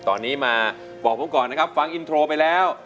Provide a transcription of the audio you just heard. ตอนนี้มาบอกผมก่อนนะครับฟังอินโทรไปแล้ว